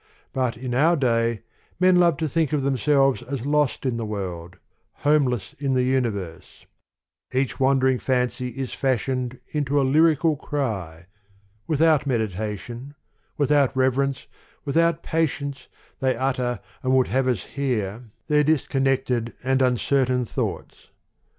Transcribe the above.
But in our day men love to think of themselves, as lost in the world, homeless in the universe ; each wandering fancy is fashioned into a " lyrical cry ": without meditation, without reverence, with out patience, they utter, and would have us hear, their disconnected and uncertain THE POEMS OF MR. BRIDGES. thoughts.